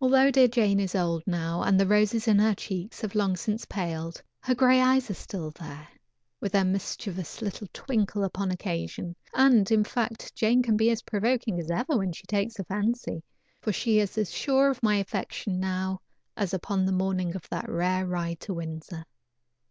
Although dear Jane is old now, and the roses on her cheeks have long since paled, her gray eyes are still there, with their mischievous little twinkle upon occasion, and in fact, Jane can be as provoking as ever when she takes the fancy, for she is as sure of my affection now as upon the morning of that rare ride to Windsor.